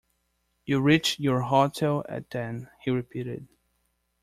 "You reached your hotel at ten," he repeated.